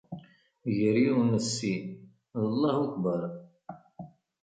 Gar yiwen sin d llah wakber